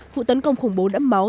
vụ tấn công khủng bố đẫm máu